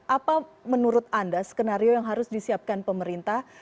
apa menurut anda skenario yang harus disiapkan pemerintah